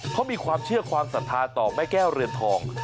เขามีความเชื่อความศรัทธาต่อแม่แก้วเรือนทอง